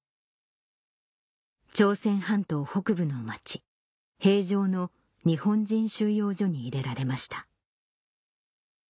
朝鮮半島北部の町平城の日本人収容所に入れられました